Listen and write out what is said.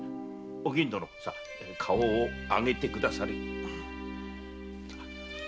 お吟殿顔を上げてくだされ。